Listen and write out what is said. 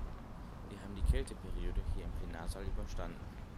Wir haben die Kälteperiode hier im Plenarsaal überstanden.